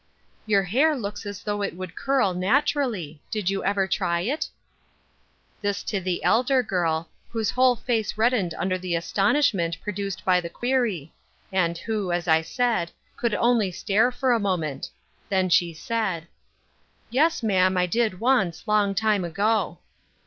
" Your hair looks as though it would curl, naturally ; did you ever try it ?" This to the elder girl, whose whole face red dened under the astonishment produced by the query, and who, as I said, could only stare tor a moment. Then she said • My Daughten. 806 " Yes, ma'am, I did once ; long time ago."